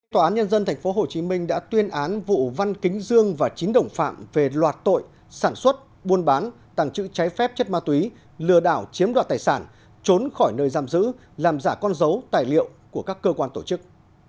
tòa án nhân dân tp hcm đã tuyên án vụ văn kính dương và chín đồng phạm về loạt tội sản xuất buôn bán tặng chữ trái phép chất ma túy lừa đảo chiếm đoạt tài sản trốn khỏi nơi giam giữ làm giả con dấu tài liệu của các cơ quan tổ chức